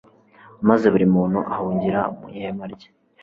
maze buri muntu ahungira mu ihema rye